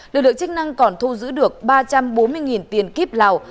lực lượng chức năng còn thu giữ được ba trăm bốn mươi tiền kíp lào